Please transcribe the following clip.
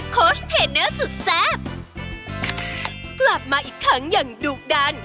กลับมาอีกครั้งอย่างดุดัน